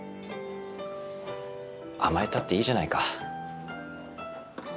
甘えたっていいじゃないか。